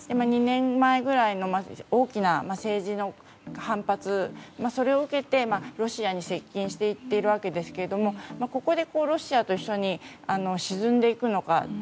２年前ぐらいの大きな政治の反発それを受けて、ロシアに接近していってるわけですがここでロシアと一緒に沈んでいくのか。